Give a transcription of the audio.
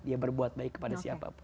dia berbuat baik kepada siapa pun